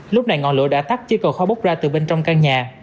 lúc này ngọn lửa đã tắt chế cầu kho bốc ra từ bên trong căn nhà